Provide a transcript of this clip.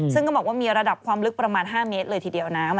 ซึ่งก็บอกว่ามีระดับความลึกประมาณ๕เมตรเลยทีเดียวนะ